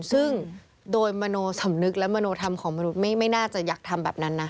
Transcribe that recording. ซึ่งโดยมโนสำนึกและมโนธรรมของมนุษย์ไม่น่าจะอยากทำแบบนั้นนะ